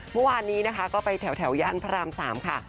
เมื่อวานนี้นะคะก็ไปแถวย่านพระราม๓ค่ะ